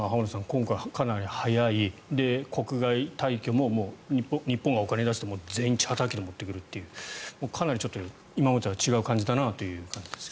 今回はかなり早い、国外退去ももう日本はお金を出して全員チャーター機で持ってくるというかなり今までと違う感じだなという感じですが。